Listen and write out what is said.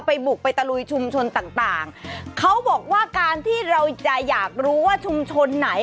บุกไปตะลุยชุมชนต่างต่างเขาบอกว่าการที่เราจะอยากรู้ว่าชุมชนไหน